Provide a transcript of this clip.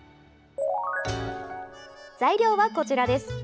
材料はこちらです。